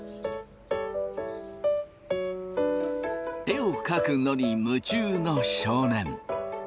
絵を描くのに夢中の少年。